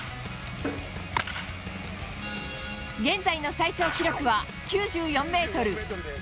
現在の最長記録は９４メートル。